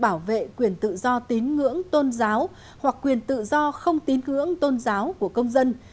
bảo vệ quyền tự do tín ngưỡng tôn giáo hoặc quyền tự do không tín ngưỡng tôn giáo của công dân